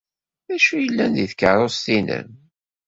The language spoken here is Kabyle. D acu ay yellan deg tkeṛṛust-nnem?